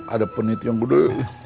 ada penit yang gede